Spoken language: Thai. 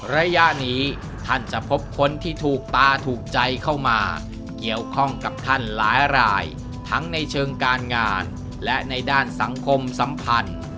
ระยะนี้ท่านจะพบคนที่ถูกตาถูกใจเข้ามาเกี่ยวข้องกับท่านหลายรายทั้งในเชิงการงานและในด้านสังคมสัมพันธ์